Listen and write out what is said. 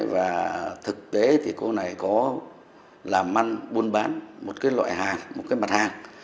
và thực tế thì cô này có làm ăn buôn bán một cái loại hàng một cái mặt hàng